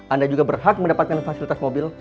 anda juga berhak mendapatkan fasilitas mobil